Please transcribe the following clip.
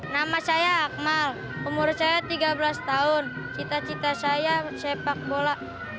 nama saya akmal umur saya tiga belas tahun cita cita saya sepak bola